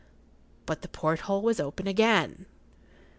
But the porthole was open again.